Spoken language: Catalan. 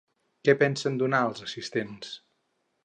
Què pensen donar als assistents?